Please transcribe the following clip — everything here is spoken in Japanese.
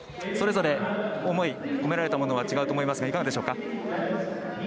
それぞれ思い、込められたものは違うと思いますがいかがでしょうか。